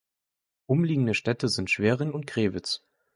Umliegende Städte sind Schwerin und Crivitz.